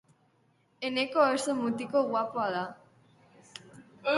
Eneko oso mutiko guapoa da.